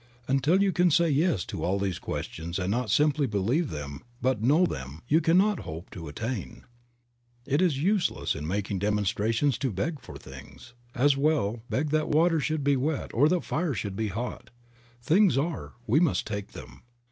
Until you can say yes to all these questions and not simply believe them but know them, you can not hope to attain. It is useless in making a demonstration to beg for things; as well beg that water should be wet or that fire should be hot. Things are, we must take them.